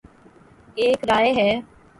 ایک رائے ہے۔